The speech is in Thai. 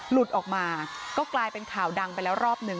หลุดออกมาก็กลายเป็นข่าวดังไปแล้วรอบหนึ่ง